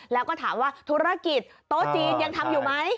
แล้วก็ถามว่าธุรกิจโต๊ะจีนยังทำอยู่ไหม